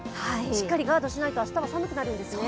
しっかりガードしないと、明日は寒くなるんですね。